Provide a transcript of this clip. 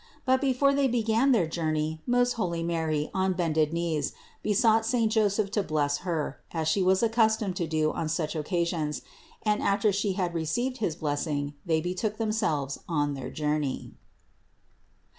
But before they began their journey most holy Mary, on bended knees, besought saint Joseph to bless Her, as She was accustomed to do on such occasions, and after She had received his blessing, they betook them selves on their journey.